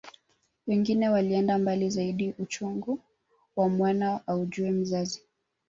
Wengine walienda mbali zaidi uchungu wa mwana aujuae mzazi